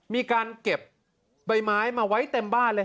มีการเก็บใบไม้มาไว้เต็มบ้านเลย